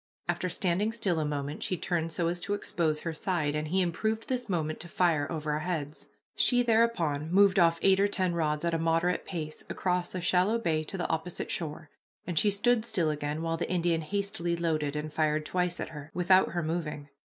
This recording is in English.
After standing still a moment she turned so as to expose her side, and he improved this moment to fire, over our heads. She thereupon moved off eight or ten rods at a moderate pace across a shallow bay to the opposite shore, and she stood still again while the Indian hastily loaded and fired twice at her, without her moving.